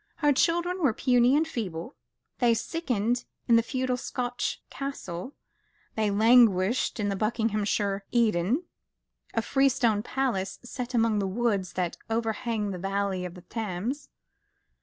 Her children were puny and feeble. They sickened in the feudal Scotch castle, they languished in the Buckinghamshire Eden a freestone palace set among the woods that overhang the valley of the Thames.